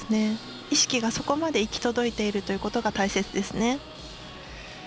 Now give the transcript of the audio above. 意識がそこまで行き届いてるということが大切ですね。